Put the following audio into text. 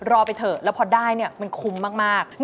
รอไปเถอะแล้วพอได้มันคุ้มมาก